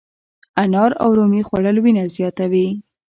انار او رومي خوړل وینه زیاتوي.